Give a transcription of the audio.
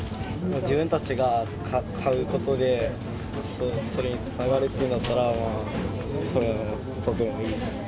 自分たちが買うことで、それにつながるっていうんだったら、それはとてもいい。